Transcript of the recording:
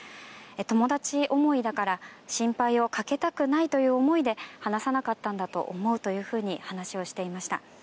友達思いだから心配をかけたくないという思いで話さなかったんだと思うというふうに話をしていました。